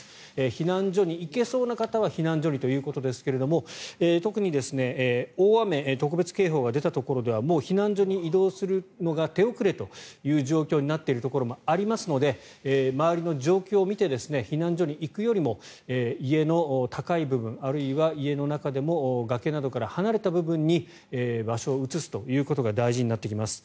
避難所に行けそうな方は避難所にということですが特に大雨特別警報が出たところではもう避難所に移動するのが手遅れという状況になっているところもありますので周りの状況を見て避難所に行くよりも家の高い部分あるいは家の中でも崖などから離れた部分に場所を移すということが大事になってきます。